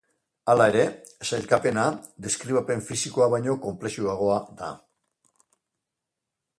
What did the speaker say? Hala ere, sailkapena, deskribapen fisikoa baino konplexuagoa da.